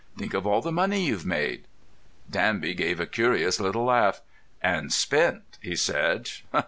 Think of all the money you've made!" Danby gave a curious little laugh. "And spent," he said.